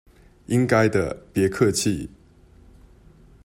應該的，別客氣！